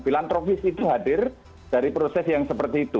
filantropis itu hadir dari proses yang seperti itu